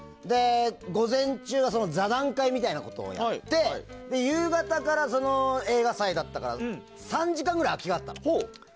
午前中は座談会みたいなことをやって夕方から映画祭だったから３時間ぐらい空きがあったの。